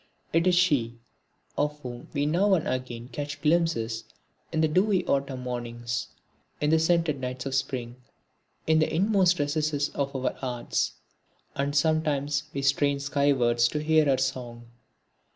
It is she, of whom we now and again catch glimpses in the dewy Autumn mornings, in the scented nights of Spring, in the inmost recesses of our hearts and sometimes we strain skywards to hear her song.